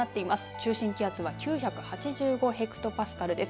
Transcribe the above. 中心気圧は９８５ヘクトパスカルです。